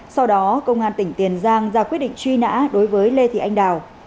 sau đó công an tỉnh tiền giang ra quyết định truy nã đối với lê thị anh đào